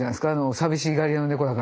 寂しがり屋の猫だから。